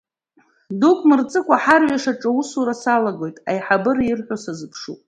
Дук мырҵыкәа ҳарҩаш аҿы аусура салагоит, аиҳабыра ирҳәо сазыԥшуп.